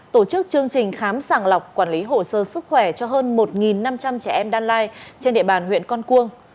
tổ chức chương trình khám sàng lọc quản lý hồ sơ sức khỏe cho hơn một năm trăm linh trẻ em đan lai trên địa bàn huyện con cuông